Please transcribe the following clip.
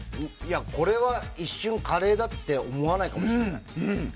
これは一瞬カレーだと思わないかもしれない。